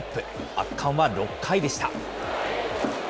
圧巻は６回でした。